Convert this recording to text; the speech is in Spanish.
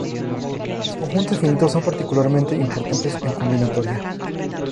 Los conjuntos finitos son particularmente importantes en combinatoria.